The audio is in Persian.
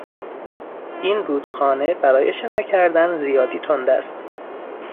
این رودخانه برای شنا کردن زیادی تند است.